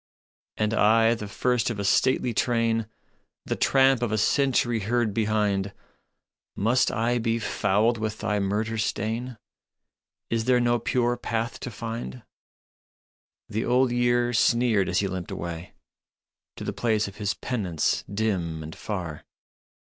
" And I, the first of a stately train, The tramp of a century heard behind, Must I be fouled with thy murder stain? Is there no pure path to find? " The Old Year sneered as he limped away To the place of his penance dim and far.